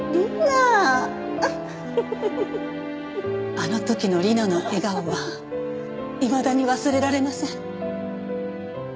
あの時の理奈の笑顔はいまだに忘れられません。